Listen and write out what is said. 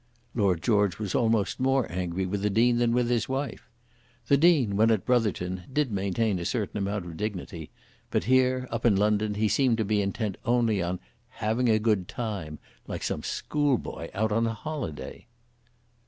Lord George was almost more angry with the Dean than with his wife. The Dean, when at Brotherton, did maintain a certain amount of dignity; but here, up in London, he seemed to be intent only on "having a good time," like some schoolboy out on a holiday.